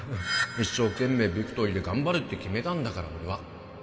一生懸命ビクトリーで頑張るって決めたんだから俺は